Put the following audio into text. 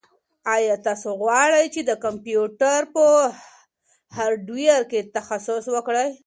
ایا تاسو غواړئ چې د کمپیوټر په هارډویر کې تخصص وکړئ؟